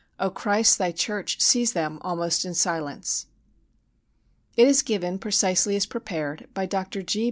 O Christ, thy church sees them almost in silence! It is given precisely as prepared by Dr. G.